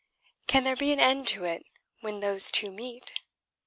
Can there be an end to it when those two meet?